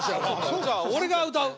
そうか俺が歌う。